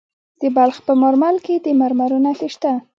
د بلخ په مارمل کې د مرمرو نښې شته.